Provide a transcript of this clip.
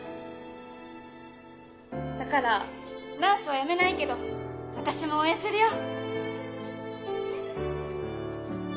だからナースは辞めないけど私も応援するよ。